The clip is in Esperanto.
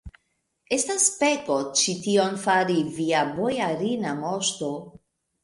estas peko ĉi tion fari, via bojarina moŝto!